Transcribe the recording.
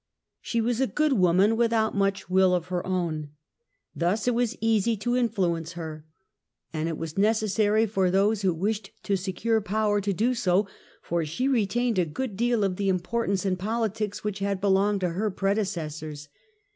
She was a good woman without much will of her own. Thus it was easy to influence her. And it was necessary for tliose who wished to secure power to do so, for she retained a good deal of the importance in politics which had belonged to her predecessors.